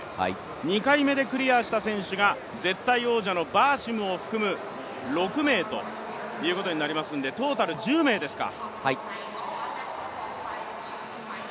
２回目でクリアした選手が絶対王者のバーシムを含む６名ということになりますんでトータル１０名ですか。